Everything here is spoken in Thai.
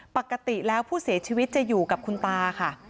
ปกติแล้วผู้เสียชีวิตจะอยู่กับคุณตาค่ะ